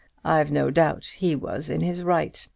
I've no doubt he was 'in his right.'